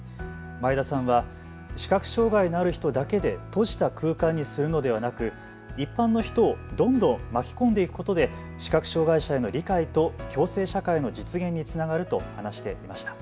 前田さんは視覚障害のある人だけで閉じた空間にするのではなく一般の人をどんどん巻き込んでいくことで視覚障害者への理解と共生社会の実現につながると話していました。